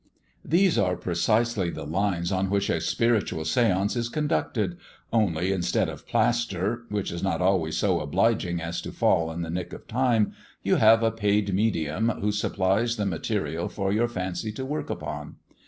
These are precisely the lines on which a spiritual séance is conducted, only instead of plaster, which is not always so obliging as to fall in the nick of time, you have a paid medium who supplies the material for your fancy to work upon.